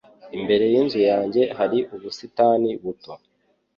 Imbere yinzu yanjye hari ubusitani buto.